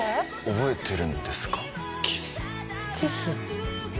覚えてるんですかキスキス？